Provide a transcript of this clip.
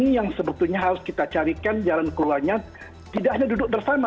ini yang sebetulnya harus kita carikan jalan keluarnya tidak hanya duduk bersama